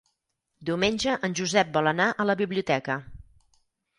Diumenge en Josep vol anar a la biblioteca.